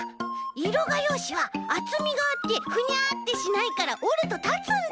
いろがようしはあつみがあってフニャッてしないからおるとたつんだ！